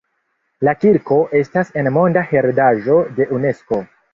La kirko estas en Monda heredaĵo de Unesko.